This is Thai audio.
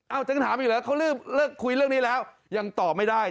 ถึงถามอีกเหรอเขาเลิกคุยเรื่องนี้แล้วยังตอบไม่ได้